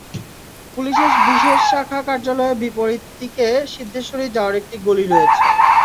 পুলিশের বিশেষ শাখা কার্যালয়ের বিপরীত দিকে সিদ্ধেশ্বরী যাওয়ার একটি গলি রয়েছে।